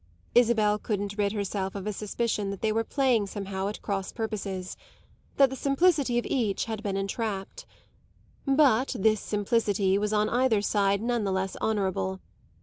Isabel couldn't rid herself of a suspicion that they were playing somehow at cross purposes that the simplicity of each had been entrapped. But this simplicity was on either side none the less honourable.